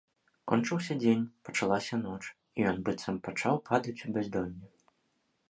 Кончыўся дзень, пачалася ноч, і ён быццам пачаў падаць у бяздонне.